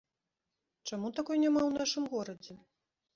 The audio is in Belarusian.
Чаму такой няма ў нашым горадзе?